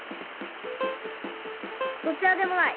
どちらでもない！